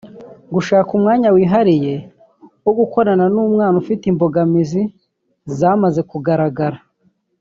gushaka umwanya wihariye wo gukorana n’umwana ufite imbogamizi zamaze kugaragara